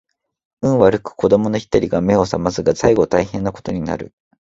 運悪く子供の一人が眼を醒ますが最後大変な事になる